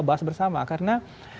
bahas bersama karena